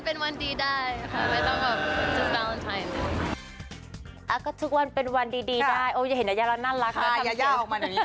ไปเวลาท้ายหนูทำงานค่ะ